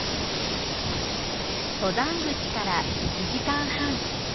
登山口から１時間半。